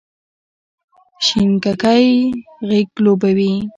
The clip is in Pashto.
شینککۍ غیږ لوبوې،